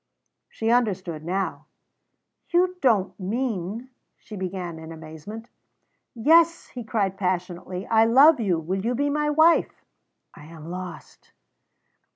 She understood now. "You don't mean " she began, in amazement. "Yes," he cried passionately. "I love you. Will you be my wife?" ("I am lost!")